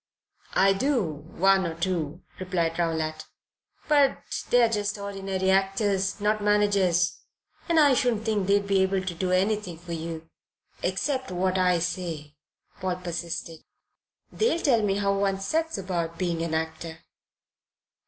"I do one or two," replied Rowlatt; "but they're just ordinary actors not managers; and I shouldn't think they'd be able to do anything for you." "Except what I say," Paul persisted. "They'll tell me how one sets about being an actor."